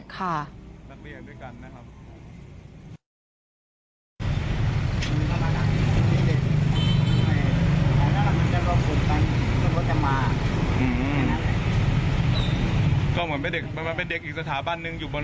ก็เหมือนเป็นเด็กอีกสถาบันหนึ่ง